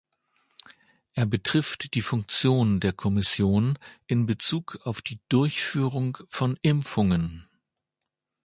Er betrifft die Funktion der Kommission in Bezug auf die Durchführung von Impfungen.